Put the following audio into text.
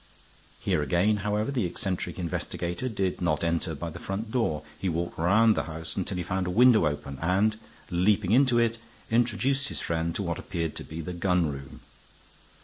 Here again, however, the eccentric investigator did not enter by the front door. He walked round the house until he found a window open, and, leaping into it, introduced his friend to what appeared to be the gun room.